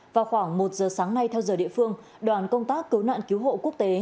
vào khoảng một giờ sáng nay theo giờ địa phương đoàn công tác cứu nạn cứu hộ quốc tế